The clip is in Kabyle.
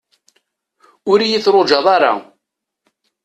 Ur iyi-trujaḍ ara.